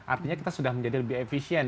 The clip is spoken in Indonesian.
artinya kita sudah menjadi lebih efisien